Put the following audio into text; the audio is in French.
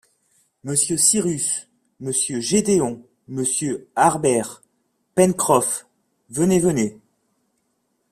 Monsieur Cyrus, monsieur Gédéon, monsieur Harbert, Pencroff, venez venez